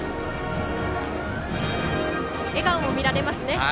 笑顔も見られましたね。